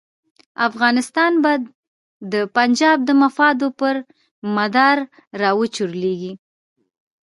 افغانستان به د پنجاب د مفاداتو پر مدار را وچورلېږي.